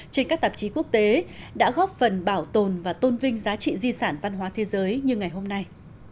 trên các tạp chí quốc tế đã góp phần bảo tồn và tôn vinh giá trị di sản văn hóa thế giới như ngày hôm nay